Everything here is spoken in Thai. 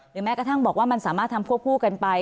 แม้กระทั่งบอกว่ามันสามารถทำควบคู่กันไป